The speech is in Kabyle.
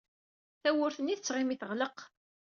Tawwurt-nni tettɣimi teɣleq.